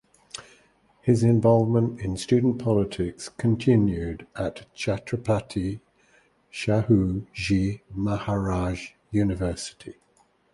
His involvement in student politics continued at Chhatrapati Shahu Ji Maharaj University.